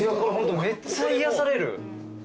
めっちゃ癒やされる。